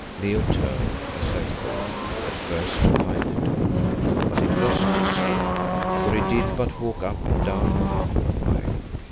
Leo turned, as I thought, at first, to find the door. But it was not so, for he did but walk up and down the room awhile.